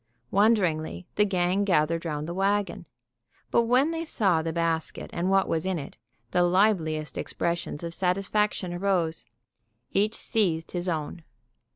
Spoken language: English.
Wonderingly, the gang gathered round the wagon. But when they saw the basket and what was in it, the liveliest expressions of satisfaction arose. Each seized his own.